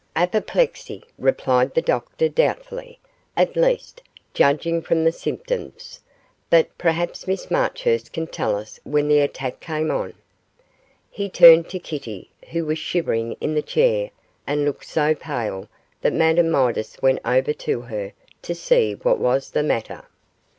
'Apoplexy,' replied the doctor, doubtfully; 'at least, judging from the symptoms; but perhaps Miss Marchurst can tell us when the attack came on?' He turned to Kitty, who was shivering in the chair and looked so pale that Madame Midas went over to her to see what was the matter.